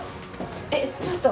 えっちょっと。